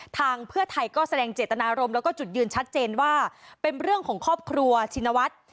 ทางเพื่อไทยก็แสดงเจตนารมณ์แล้วก็จุดยืนชัดเจนว่าเป็นเรื่องของครอบครัวชินวัฒน์